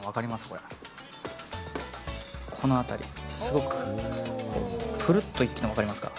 この辺り、ぷるっといってるの分かりますか。